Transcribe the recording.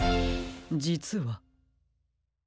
じつは。